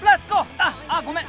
あっああごめん！